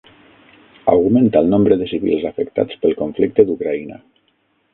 Augmenta el nombre de civils afectats pel conflicte d'Ucraïna